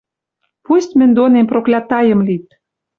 Пусть мӹнь донем проклятайым лит.